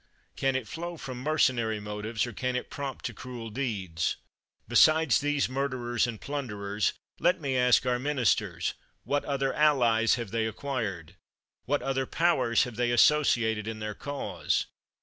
Can it flow from mercenary motives, or can it prompt to cruel deeds? Besides these murderers and plunderers, let me ask our ministers, What other allies have they acquired? What other powers have they associated in their cause?